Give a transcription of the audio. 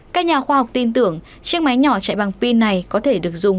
các nhà khoa học tin tưởng chiếc máy nhỏ chạy bằng pin này có thể được dùng